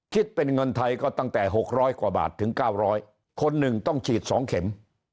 คิดเป็นเงินไทยก็ตั้งแต่๖๐๐กว่าบาทถึง๙๐๐คนหนึ่งต้องฉีด๒เข็ม